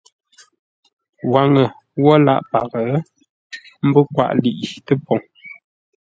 Waŋə wə́ lâʼ paghʼə, ə́ mbə́ kwaʼ ləiʼi tə́poŋ.